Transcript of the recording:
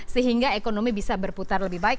sehingga ekonomi bisa berputar lebih baik